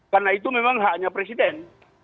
karena itu memang haknya presiden